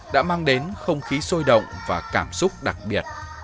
đã mang đến không khí sôi động và cảm xúc đặc biệt